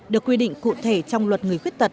được quy định cụ thể trong luật người khuyết tật